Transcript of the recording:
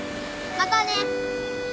またね。